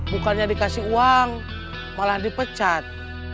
bukannya dikasih uang malah dipecat